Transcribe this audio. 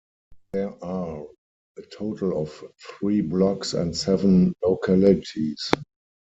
There are a total of three blocks and seven localities.